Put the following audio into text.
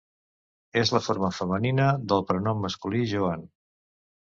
És la forma femenina del prenom masculí Joan.